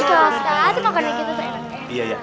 salah satu makanannya gitu enak